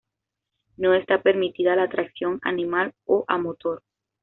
No está permitida la tracción animal o a motor.